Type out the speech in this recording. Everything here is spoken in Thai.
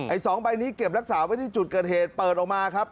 สองใบนี้เก็บรักษาไว้ที่จุดเกิดเหตุเปิดออกมาครับ